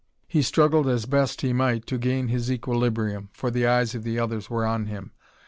He struggled as best he might to gain his equilibrium, for the eyes of the others were on him.